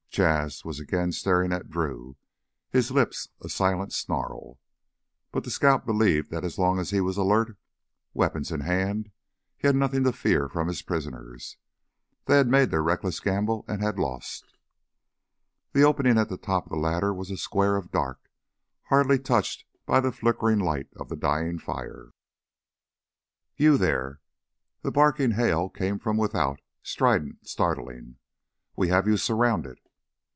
Jas' was again staring at Drew, his lips a silent snarl. But the scout believed that as long as he was alert, weapons in hand, he had nothing more to fear from his prisoners. They had made their reckless gamble and had lost. The opening at the top of the ladder was a square of dark, hardly touched by the flickering light of the dying fire. "You theah...." The barking hail came from without, strident, startling. "We have you surrounded."